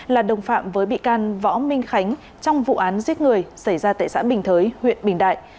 là đồng phạm với bị can võ minh khánh trong vụ án giết người xảy ra tại xã bình thới huyện bình đại